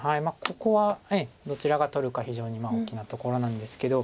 ここはどちらが取るか非常に大きなところなんですけど。